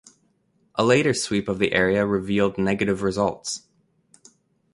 A later sweep of the area revealed negative results.